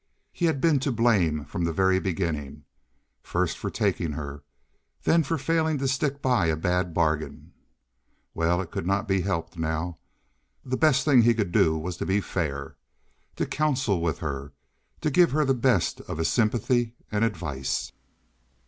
He had been to blame from the very beginning, first for taking her, then for failing to stick by a bad bargain. Well, it could not be helped now. The best thing he could do was to be fair, to counsel with her, to give her the best of his sympathy and advice.